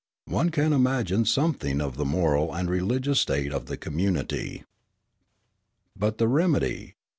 One can imagine something of the moral and religious state of the community. But the remedy!